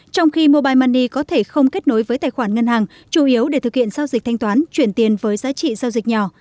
trong khi mobile money có thể không kết nối với tài khoản ngân hàng chủ yếu để thực hiện giao dịch thanh toán chuyển tiền với giá trị giao dịch nhỏ